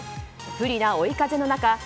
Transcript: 不利な追い風の中